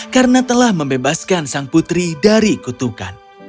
karena telah membebaskan sang putri dari kutukan